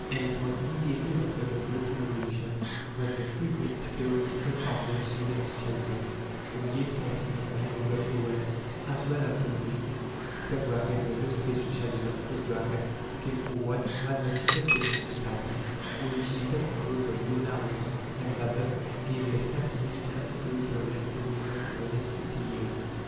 And it was immediately after the Great Revolution that the three great theoretical founders of modern Socialism Fourier, Saint Simon, and Robert Owen, as well as Godwin (the No State Socialism) came forward; while the secret communist societies, originated from those of Buonarroti and Babeuf, gave their stamp to militant, authoritarian Communism for the next fifty years.